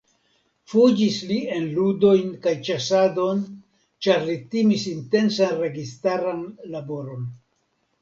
Fuĝis li en ludojn kaj ĉasadon ĉar li timis intensan registaran laboron.